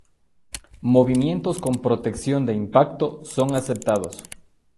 Movimientos con protección de impacto son aceptados.